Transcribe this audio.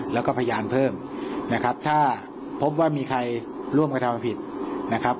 แล้วก็พยานเพิ่มนะครับถ้าพบว่ามีใครร่วมกระทำผิดนะครับ